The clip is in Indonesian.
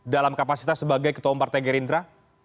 dalam kapasitas sebagai ketua umum partai gerindra